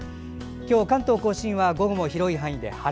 今日、関東・甲信は午後広い範囲で晴れ。